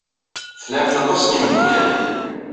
Tlamt aṭas n yimeddukal.